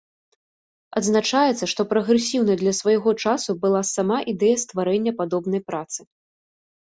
Адзначаецца, што прагрэсіўнай для свайго часу была сама ідэя стварэння падобнай працы.